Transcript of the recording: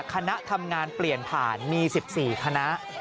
คณะทำงานเปลี่ยนผ่านมี๑๔คณะ